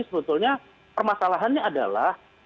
sebetulnya permasalahannya adalah